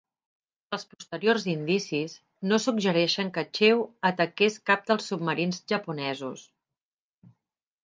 Els posteriors indicis, no suggereixen que "Chew" ataqués cap dels submarins japonesos.